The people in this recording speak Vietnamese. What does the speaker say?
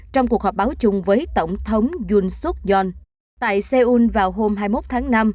trong cuộc họp báo chung với tổng thống yoon suk yong tại seoul vào hôm hai mươi một tháng